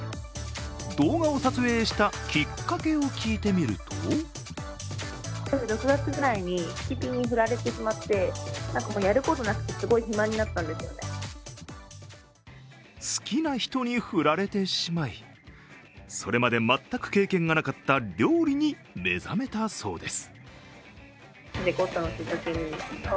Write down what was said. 動画を撮影したきっかけを聞いてみると好きな人に振られてしまい、それまで全く経験がなかった料理に目覚めたそうです。